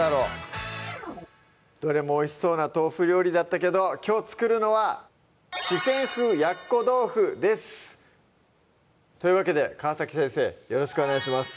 どれもおいしそうな豆腐料理だったけどきょう作るのは「四川風やっこ豆腐」ですというわけで川先生よろしくお願いします